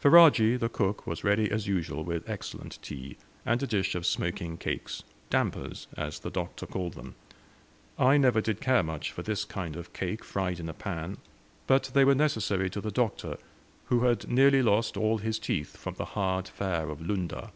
Ferajji, the cook, was ready as usual with excellent tea, and a dish of smoking cakes; "dampers," as the Doctor called them. I never did care much for this kind of a cake fried in a pan, but they were necessary to the Doctor, who had nearly lost all his teeth from the hard fare of Lunda.